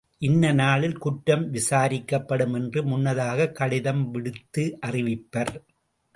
இன்ன நாளில் குற்றம் விசாரிக்கப்படும் என்று முன்னதாகக் கடிதம் விடுத்து அறிவிப்பர்.